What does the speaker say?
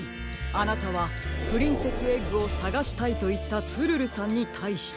あなたは「プリンセスエッグをさがしたい」といったツルルさんにたいして。